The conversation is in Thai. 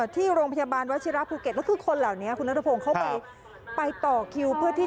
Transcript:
ที่โรงพยาบาลเวชิระภูเก็ตน่าคือคนแหล่วนี้คือนัทพงศ์เขาไปต่อคิว